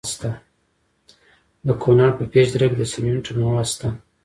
د کونړ په پیچ دره کې د سمنټو مواد شته.